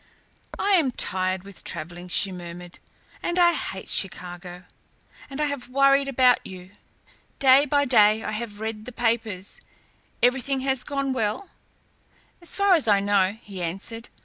"I am tired with travelling," she murmured, "and I hate Chicago, and I have worried about you. Day by day I have read the papers. Everything has gone well?" "So far as I know," he answered.